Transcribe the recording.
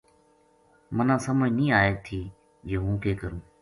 مَنا سمجھ نیہہ آئے تھی جے ہوں کے کروں